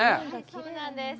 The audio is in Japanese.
そうなんです。